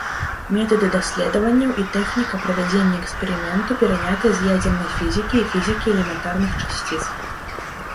Метады даследаванняў і тэхніка правядзення эксперыменту перанятыя з ядзернай фізікі і фізікі элементарных часціц.